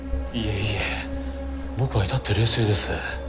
いえいえ僕は至って冷静です。